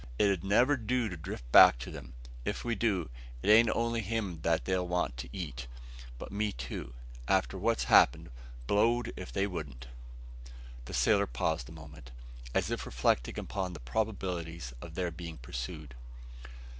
It 'ud never do to drift back to them. If we do, it an't only him they'll want to eat, but me too, after what's happened. Blowed if they wouldn't." The sailor paused a moment, as if reflecting upon the probabilities of their being pursued.